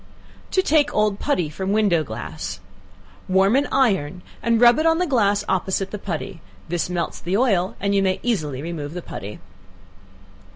To Take Old Putty from Window Glass. Warm an iron, and rub it on the glass opposite the putty; this melts the oil, and you may easily remove the putty.